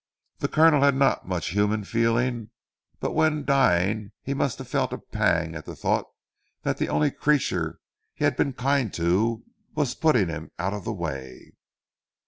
The Colonel had not much human feeling but when dying he must have felt a pang at the thought that the only creature he had been kind to was putting him out of the way."